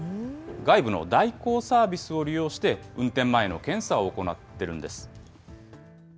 外部の代行サービスを利用して運転前の検査を行ってるんです。